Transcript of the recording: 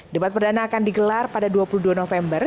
debat perdana akan digelar pada dua puluh dua november